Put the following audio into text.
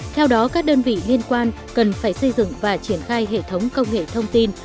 theo đó các đơn vị liên quan cần phải xây dựng và triển khai hệ thống công nghệ thông tin